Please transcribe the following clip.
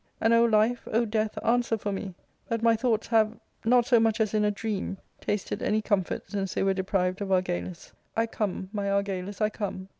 And, O life, O death, answer for me, that my thoughts have, not so much as in a dream, tasted any comfort since they were deprived of Argalus. I come, my Argalus, I come